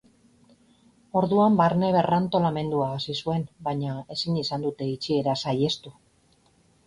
Orduan, barne berrantolamendua hasi zuen, baina ezin izan dute itxiera saiestu.